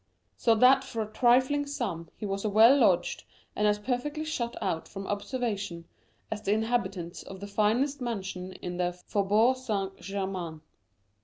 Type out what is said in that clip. So that for a trifling sum he was as well lodged, and as perfectly shut out from observation, as the inhabitants of the finest mansion in the Faubourg St. Germain.